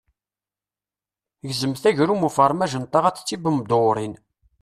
Gezmet agerrum ufermaj n taɣaṭ d tibumdewwrin.